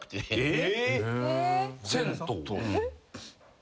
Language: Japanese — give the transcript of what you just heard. ・え！